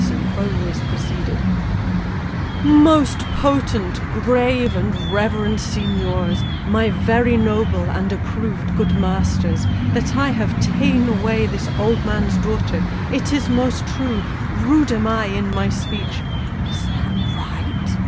Sempronius proceeded " 'Most potent, grave, and reverend signiors, My very noble and approv'd good masters, That I have ta'en away this old man's daughter. It is most true ; rude am I in my speech " Is that right